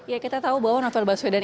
ya kita tahu bahwa novel baswedan